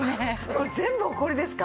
これ全部ホコリですか？